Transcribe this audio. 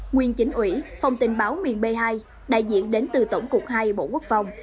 nguyên chính ủy phòng tình báo miền b hai đại diện đến từ tổng cục hai bộ quốc phòng